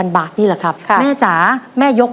แล้ววันนี้ผมมีสิ่งหนึ่งนะครับเป็นตัวแทนกำลังใจจากผมเล็กน้อยครับ